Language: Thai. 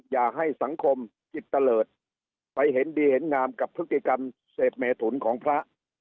อย่าให้สังคมจิตเตลิศไปเห็นดีเห็นงามกับพฤติกรรมเสพเมถุนของพระ